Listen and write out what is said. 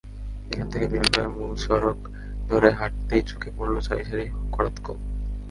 এখান থেকে বের হয়ে মূল সড়ক ধরে হাঁটতেই চোখে পড়ল সারি সারি করাতকল।